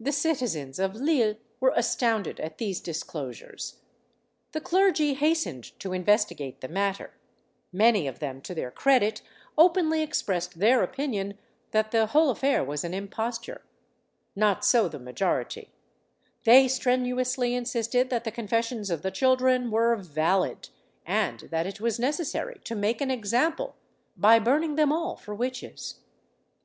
The citizens of Lille were astounded at these disclosures. The clergy hastened to investigate the matter; many of them, to their credit, openly expressed their opinion that the whole affair was an imposture not so the majority; they strenuously insisted that the confessions of the children were valid, and that it was necessary to make an example by burning them all for witches.